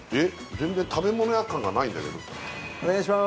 全然食べ物屋感がないんだけどお願いしまー